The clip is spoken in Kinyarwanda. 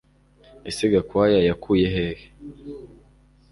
Ese Gakwaya yakuye hehe